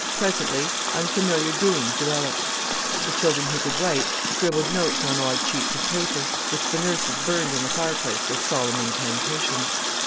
Presently unfamiliar doings developed. The children who could write scribbled notes on odd sheets of paper, which the nurses burned in the fireplace with solemn incantations.